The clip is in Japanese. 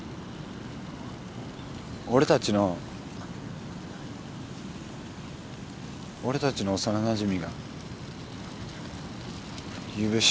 俺たちの俺たちの幼なじみがゆうべ死んだ。